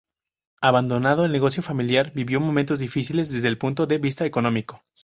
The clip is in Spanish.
Abandonado el negocio familiar vivió momentos difíciles desde el punto de vista económico.